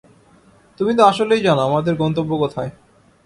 তুমিতো আসলেই জানো আমাদের গন্তব্য কোথায়।